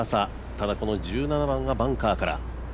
ただ、この１７番がバンカーから。